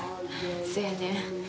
そやねん。